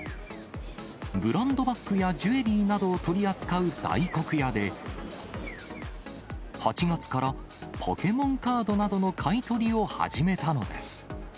ブランドバッグやジュエリーなどを取り扱う大黒屋で、８月からポケモンカードなどの買い取りを始めたのです。